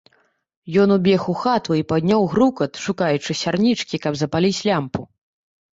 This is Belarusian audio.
Ён убег у хату і падняў грукат, шукаючы сярнічкі, каб запаліць лямпу.